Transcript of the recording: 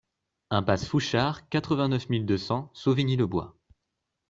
Impasse Fouchard, quatre-vingt-neuf mille deux cents Sauvigny-le-Bois